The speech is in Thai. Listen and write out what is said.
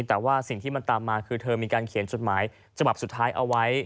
แต่ว่าสิ่งที่มันตามมาคือเธอมีการเขียนจดหมายฉบับสุดท้ายเอาไว้